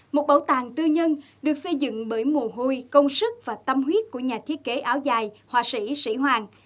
một bảo tàng tư nhân được xây dựng bởi mùa hôi công sức và tâm huyết của nhà thiết kế áo dài họa sĩ sĩ hoàng